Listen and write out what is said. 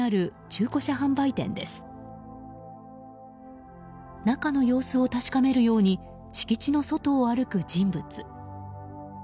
中の様子を確かめるように敷地の外を歩く人物。